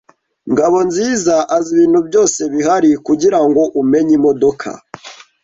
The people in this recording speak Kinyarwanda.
Ngabonziza azi ibintu byose bihari kugirango umenye imodoka.